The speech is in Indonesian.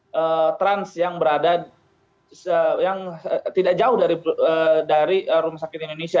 ada trans yang berada yang tidak jauh dari rumah sakit indonesia